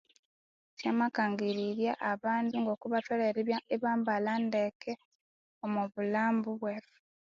Kyamakangirirya abandu ngokubatholere ibaa ibambalha ndeke omu bulhambo bwethu